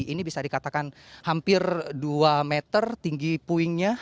ini bisa dikatakan hampir dua meter tinggi puingnya